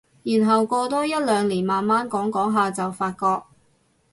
然後過多一兩年慢慢講講下就發覺